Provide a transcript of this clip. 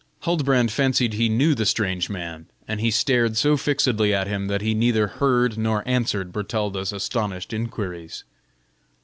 Huldbrand fancied he knew the strange man, and he stared so fixedly at him that he neither heard nor answered Bertalda's astonished inquiries.